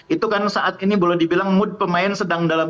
itu kan saat ini boleh dibilang mood pemain sedang dalam